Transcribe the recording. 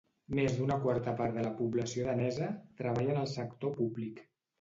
Més d'una quarta part de la població danesa treballa en el sector públic.